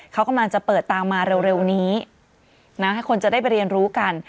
เขากำลังจะเปิดตามมาเร็วนี้นะให้คนจะได้ไปเรียนรู้กัน